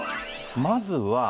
まずは。